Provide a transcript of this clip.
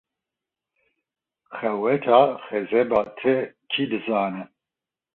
Qeweta xezeba te kî dizane?